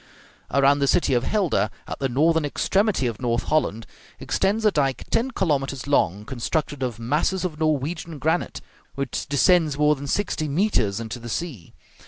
Around the city of Helder, at the northern extremity of North Holland, extends a dike ten kilometres long, constructed of masses of Norwegian granite, which descends more than sixty metres into the sea.